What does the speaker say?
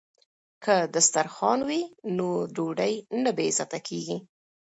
که دسترخوان وي نو ډوډۍ نه بې عزته کیږي.